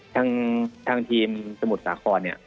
ทางทีมสมุทรสาครเนี่ย